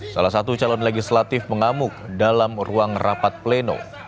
salah satu calon legislatif mengamuk dalam ruang rapat pleno